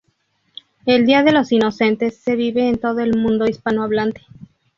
El día de los inocentes se vive en todo el mundo hispanohablante.